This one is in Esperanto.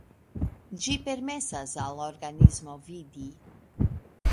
Ĝi permesas al organismo vidi.